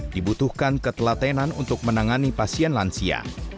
dibutuhkan ketelatenan untuk menangani pasien lansia